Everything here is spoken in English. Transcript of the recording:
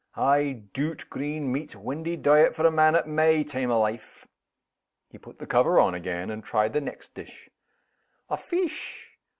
I doot green meat's windy diet for a man at my time o' life!" He put the cover on again, and tried the next dish. "The fesh?